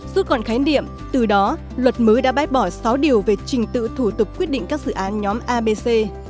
suốt còn khái niệm từ đó luật mới đã bái bỏ sáu điều về trình tự thủ tục quyết định các dự án nhóm abc